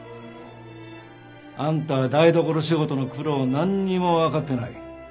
「あんたは台所仕事の苦労をなんにもわかってない」。